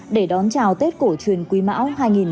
để đón chào tết cổ truyền quý mão hai nghìn hai mươi